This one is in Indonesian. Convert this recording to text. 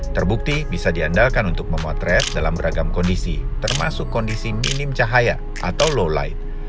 terbukti bisa diandalkan untuk memotret dalam beragam kondisi termasuk kondisi minim cahaya atau low light